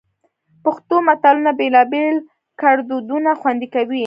پښتو متلونه بېلابېل ګړدودونه خوندي کوي